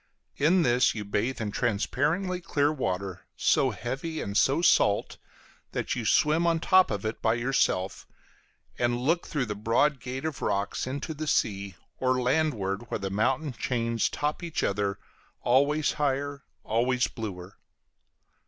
In this you bathe in transparently clear water, so heavy and so salt that you swim on the top of it by yourself, and look through the broad gate of rocks into the sea, or landward where the mountain chains top each other, always higher, always bluer.